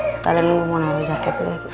sekalian gue mau nabrak jaketnya